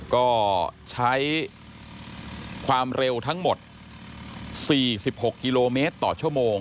ก็ใช้ความเร็วทั้งหมด๔๖กิโลเมตรต่อชั่วโมง